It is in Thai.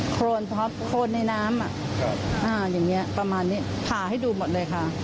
โครนในน้ำอย่างนี้ประมาณนี้ผ่าให้ดูหมดเลยค่ะ